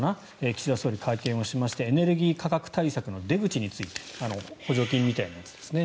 岸田総理が会見をしましてエネルギー価格対策の出口について補助金みたいなやつですね。